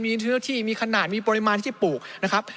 มีเนื้อที่มีขนาดมีปริมาณที่ปลูกนะครับ